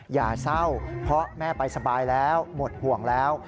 อย่าเศร้าเพราะแม่ไปสบายแล้วหมดห่วงแล้ว